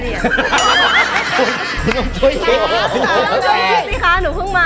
น้องช่วยสิค่ะหนูเพิ่งมา